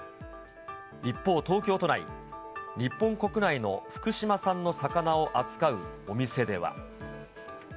一方、東京都内、日本国内の福島産の魚を扱うお店では。